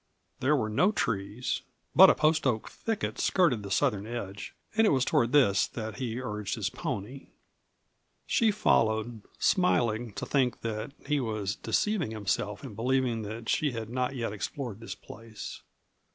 There were no trees, but a post oak thicket skirted the southern edge, and it was toward this that he urged his pony. She followed, smiling to think that he was deceiving himself in believing that she had not yet explored this place.